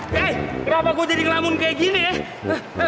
kenapa gue jadi ngelamun kayak gini ya